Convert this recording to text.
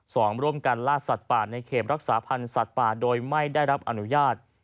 ร่วมกันล่าสัตว์ป่าในเขตรักษาพันธ์สัตว์ป่าโดยไม่ได้รับอนุญาต